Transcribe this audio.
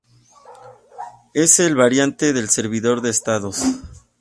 Es el variante del servidor de estados.